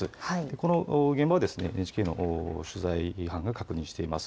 この現場はＮＨＫの取材班が確認しています。